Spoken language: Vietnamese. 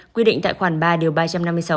quyết định tại khoảng ba điều ba trăm năm mươi sáu